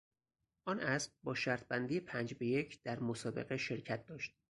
آن اسب با شرط بندی پنج به یک در مسابقه شرکت داشت.